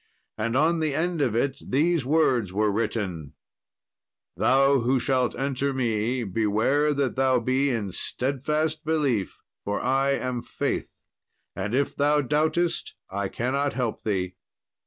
And on the end of it these words were written, "Thou who shalt enter me, beware that thou be in steadfast belief, for I am Faith; and if thou doubtest, I cannot help thee."